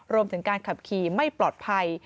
รวมถึงการขับขี่ไม่ปลอดภัย